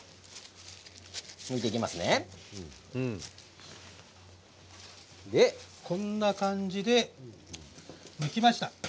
それで、こんな感じでむきました。